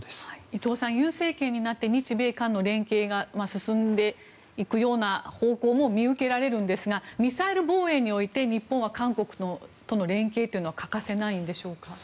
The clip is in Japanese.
伊藤さん、尹政権になって日米韓の連携が進んでいくような方向も見受けられるんですがミサイル防衛において日本は韓国との連携というのは欠かせないんでしょうか。